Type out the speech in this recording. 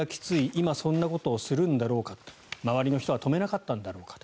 今そんなことをするんだろうか周りの人は止めなかったんだろうか。